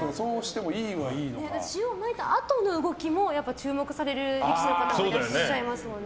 塩まいたあとの動きも注目される力士の方いらっしゃいますもんね。